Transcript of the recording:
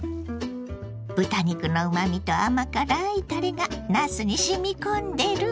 豚肉のうまみと甘辛いたれがなすにしみ込んでるわ。